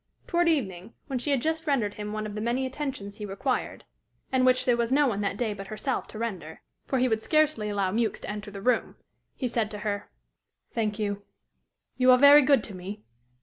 Toward evening, when she had just rendered him one of the many attentions he required, and which there was no one that day but herself to render, for he would scarcely allow Mewks to enter the room, he said to her: "Thank you; you are very good to me.